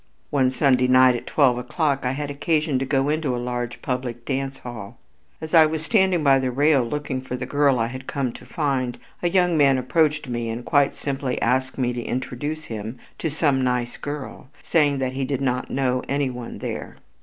One Sunday night at twelve o'clock I had occasion to go into a large public dance hall. As I was standing by the rail looking for the girl I had come to find, a young man approached me and quite simply asked me to introduce him to some "nice girl," saying that he did not know any one there.